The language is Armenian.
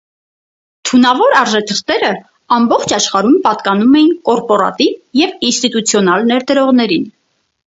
Թունավոր արժեթղթերը ամբողջ աշխարհում պատկանում էին կորպորատիվ և ինստիտուցիոնալ ներդրողներին։